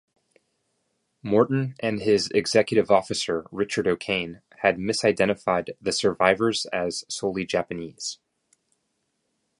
Morton and his executive officer, Richard O'Kane, had misidentified the survivors as solely Japanese.